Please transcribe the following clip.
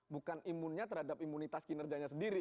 bukan imunnya terhadap imunitas kinerjanya sendiri